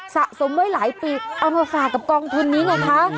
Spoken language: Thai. สะสมไว้หลายปีเอามาฝากกับกองทุนนี้ไงคะ